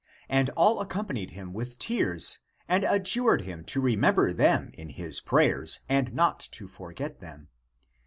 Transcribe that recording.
And all accompanied him with tears and ad jured him to remember them in his prayers and not to forget them.